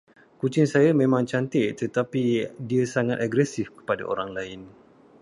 Kucing saya memang cantik tertapi dia sangat agresif kepada orang lain.